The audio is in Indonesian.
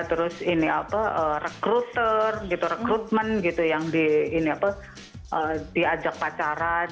terus ini apa recruter gitu rekrutmen gitu yang diajak pacaran